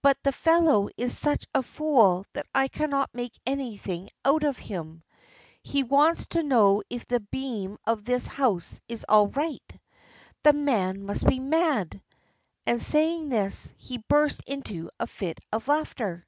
But the fellow is such a fool that I cannot make anything out of him. He wants to know if the beam of this house is all right. The man must be mad!" and saying this, he burst into a fit of laughter.